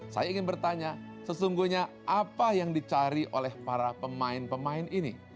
saya ingin bertanya sesungguhnya apa yang dicari oleh para pemain pemain ini